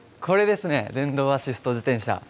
これですね電動アシスト自転車。